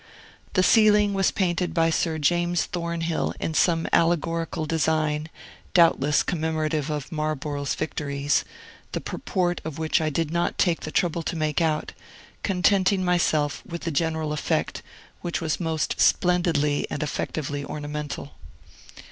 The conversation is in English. The ceiling was painted by Sir James Thornhill in some allegorical design (doubtless commemorative of Marlborough's victories), the purport of which I did not take the trouble to make out, contenting myself with the general effect, which was most splendidly and effectively ornamental.